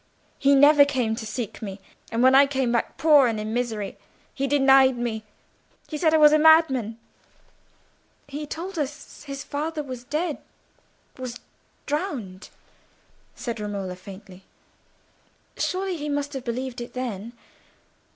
He never came to seek me, and when I came back poor and in misery, he denied me. He said I was a madman." "He told us his father was dead—was drowned," said Romola, faintly. "Surely he must have believed it then.